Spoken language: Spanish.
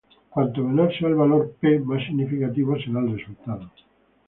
Cuanto menor sea el valor "p", más significativo será el resultado.